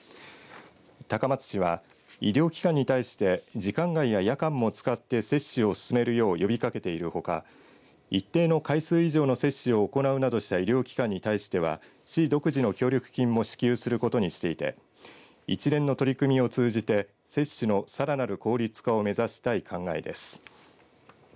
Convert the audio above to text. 高松市は医療機関に対して時間外や夜間も使って接種を進めるよう呼びかけているほか一定の回数以上の接種を行うなどした医療機関に対しては市独自の協力金も支給することにしてて一連の取り組みを通じて接種のさらなる効率化を目指したい考えです。